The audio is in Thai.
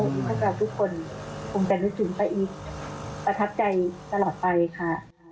นะคะทุกคนผมจะรู้สึกป้าอีฟประทับใจตลอดไปค่ะ